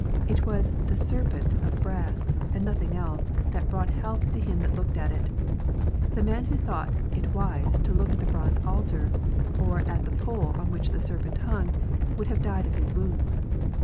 It was the serpent of brass, and nothing else, that brought health to him that looked at it. The man who thought it wise to look at the brazen altar, or at the pole on which the serpent hung, would have died of his wounds.